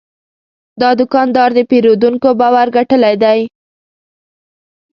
دا دوکاندار د پیرودونکو باور ګټلی دی.